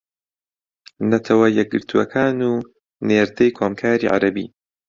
نەتەوە یەکگرتووەکان و نێردەی کۆمکاری عەرەبی